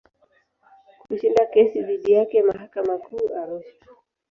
Kushinda kesi dhidi yake mahakama Kuu Arusha.